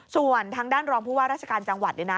ส่วนทางด้านรองผู้ว่าราชการจังหวัดเนี่ยนะ